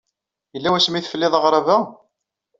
Yella wasmi ay tefliḍ aɣrab-a?